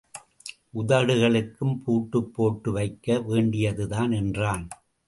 உதடுகளுக்கும் பூட்டுப்போட்டு வைக்க வேண்டியதுதான் என்றான்.